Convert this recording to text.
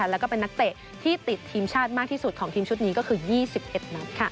แล้วก็เป็นนักเตะที่ติดทีมชาติมากที่สุดของทีมชุดนี้ก็คือ๒๑นัด